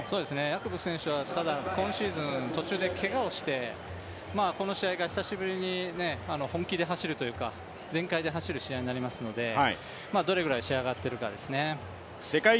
ヤコブス選手は今シーズン、途中でけがをしてこの試合が久しぶりに本気で走るというか全開で走る試合となりますのでどれぐらい仕上がっているかですね。